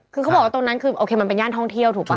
คือเขาบอกว่าตรงนั้นคือโอเคมันเป็นย่านท่องเที่ยวถูกป่